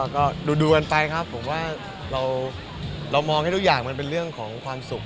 ก็ดูกันไปครับผมว่าเรามองให้ทุกอย่างมันเป็นเรื่องของความสุข